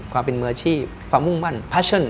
ความเป็นมือชีพความมุ่งมั่น